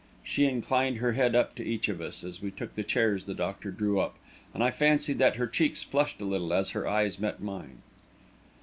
She inclined her head to each of us, as we took the chairs the doctor drew up, and I fancied that her cheeks flushed a little as her eyes met mine.